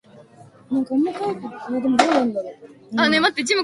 During the mission he visited the Russian space station Mir.